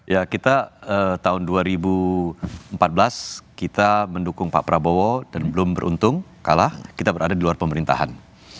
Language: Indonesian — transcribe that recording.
ya kita tahun dua ribu empat belas kita mendukung pak prabowo dan belum beruntung kalah kita berada di luar pemerintahan